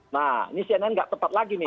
nah ini cnn nggak tepat lagi nih